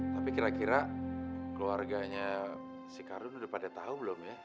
tapi kira kira keluarganya si cardun udah pada tau belum ya